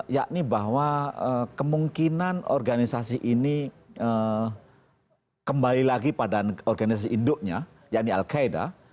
yakni bahwa kemungkinan organisasi ini kembali lagi pada organisasi induknya yakni al qaeda